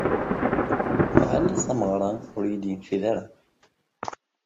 Iɛel tameɣṛa ur iyi-d-yencid ara.